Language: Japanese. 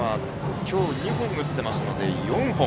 今日２本打ってますので４本。